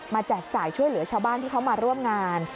แจกจ่ายช่วยเหลือชาวบ้านที่เขามาร่วมงาน